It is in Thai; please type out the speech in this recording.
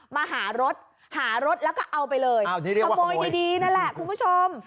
มาหารถหารถแล้วก็เอาไปเลยเอาที่เรียกว่าขโมยขโมยดีนั่นแหละคุณผู้ชม